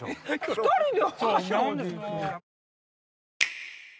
２人で。